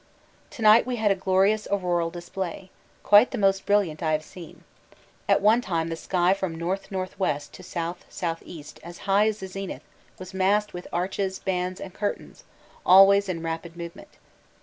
To night we had a glorious auroral display quite the most brilliant I have seen. At one time the sky from N.N.W. to S.S.E. as high as the zenith was massed with arches, band, and curtains, always in rapid movement.